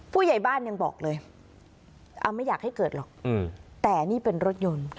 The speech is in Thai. ผู้ใหญ่บ้านยังบอกเลยไม่อยากให้เกิดหรอกแต่นี่เป็นรถยนต์